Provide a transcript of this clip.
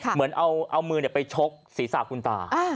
เหมือนเอามือไปชกศีรษะคุณตา